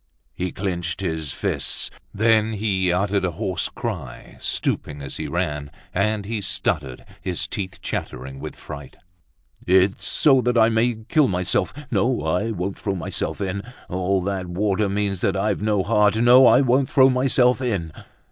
He clinched his fists; then he uttered a hoarse cry, stooping as he ran. And he stuttered, his teeth chattering with fright. "It's so that I may kill myself. No, I won't throw myself in! All that water means that I've no heart. No, I won't throw myself in!"